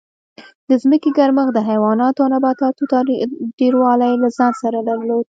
د ځمکې ګرمښت د حیواناتو او نباتاتو ډېروالی له ځان سره درلود